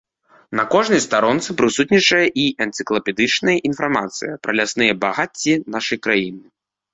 На кожнай старонцы прысутнічае і энцыклапедычная інфармацыя пра лясныя багацці нашай краіны.